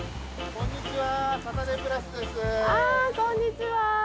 こんにちは。